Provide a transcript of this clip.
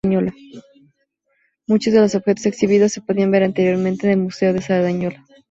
Muchos de los objetos exhibidos se podían ver anteriormente en el Museo de Sardañola.